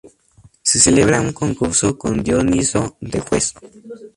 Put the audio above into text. Se celebra un concurso con Dioniso de juez.